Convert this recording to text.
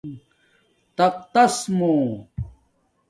تختس مُو